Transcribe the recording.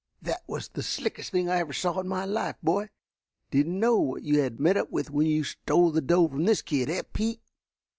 "That was the slickest thing I ever saw in all my life, boy. Didn't know what you had met up with when you stole the doe from this kid, eh, Pete?